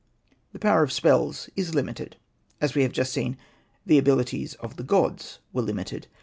The power of spells is limited, as we have just seen the abilities of the gods were limited.